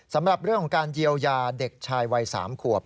สำหรับเรื่องของการเยียวยาเด็กชายวัย๓ขวบ